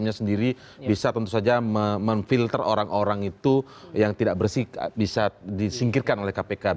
misalnya sendiri bisa tentu saja memfilter orang orang itu yang tidak bersih bisa disingkirkan oleh kpk